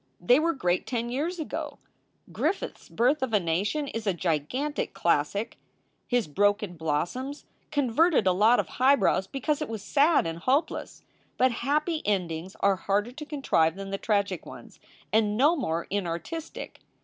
They were great ten years ago. Griffith s Birth of a Nation is a gigantic classic. His Broken Blossoms converted a lot of highbrows because it was sad and hopeless, but happy endings are harder to contrive than the tragic ones, and no more inartistic.